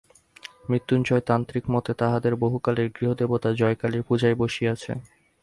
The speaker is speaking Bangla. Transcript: মৃত্যুঞ্জয় তান্ত্রিক মতে তাহাদের বহুকালের গৃহদেবতা জয়কালীর পূজায় বসিয়াছে।